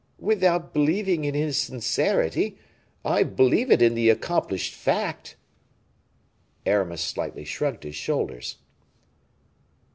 "Without believing in his sincerity, I believe it in the accomplished fact." Aramis slightly shrugged his shoulders.